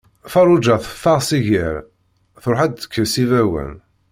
Farruǧa teffeɣ s iger, truḥ ad d-tekkes ibawen.